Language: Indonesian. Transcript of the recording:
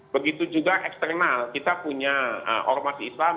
begitu juga eksternal kita punya ormas islam